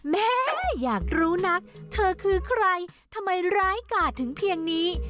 แม่อยากรู้นักเธอคือใครทำไมร้ายกาดถึงเพียงนี้